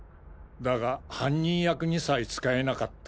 だが犯人役にさえ使えなかった。